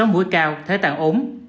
sáu mũi cao thế tạng ốm